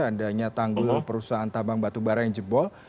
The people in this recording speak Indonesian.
ada tanggul perusahaan tabang batu bara yang jebol